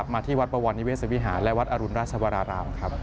มาที่วัดบวรนิเวศวิหารและวัดอรุณราชวรารามครับ